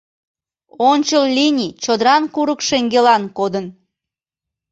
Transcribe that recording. Ончыл линий чодыран курык шеҥгелан кодын.